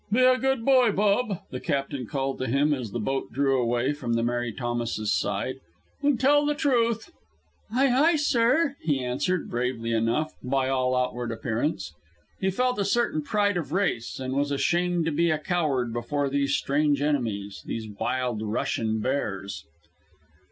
"Be a good boy, Bub," the captain called to him, as the boat drew away from the Mary Thomas's side, "and tell the truth!" "Aye, aye, sir!" he answered, bravely enough, by all outward appearance. He felt a certain pride of race, and was ashamed to be a coward before these strange enemies, these wild Russian bears.